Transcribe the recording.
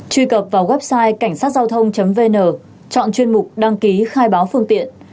truy cập vào website cảnhsatgiaothong vn chọn chuyên mục đăng ký khai báo phương tiện